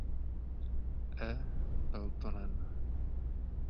E. Peltonen.